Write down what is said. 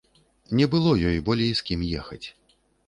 Не было ёй болей з кім ехаць.